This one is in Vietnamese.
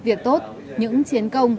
việc tốt những chiến công